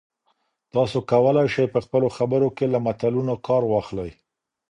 تاسي کولای شئ په خپلو خبرو کې له متلونو کار واخلئ.